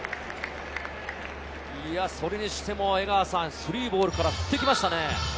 それにしても江川さん、３ボールから振ってきましたね。